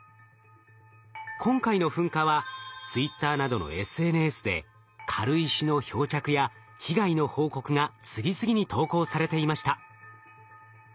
今回の噴火はツイッターなどのＳＮＳで軽石の漂着や被害の報告が次々に投稿されていました。